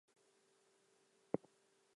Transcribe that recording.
Most of his works are landscapes.